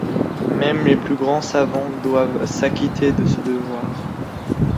Même les plus grands savants doivent s’acquitter de ce devoir.